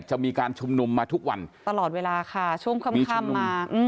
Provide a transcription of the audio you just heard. จะมีการชุมนุมมาทุกวันตลอดเวลาค่ะช่วงค่ำมา